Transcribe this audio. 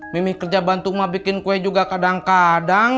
mimi kerja bantu rumah bikin kue juga kadang kadang